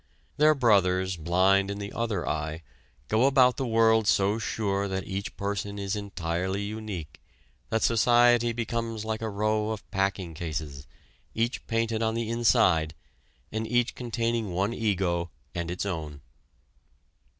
Their brothers, blind in the other eye, go about the world so sure that each person is entirely unique, that society becomes like a row of packing cases, each painted on the inside, and each containing one ego and its own.